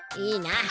いいな？